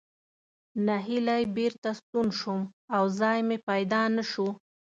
نهیلی بېرته ستون شوم او ځای مې پیدا نه شو.